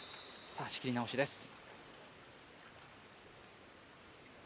仕切り直しです。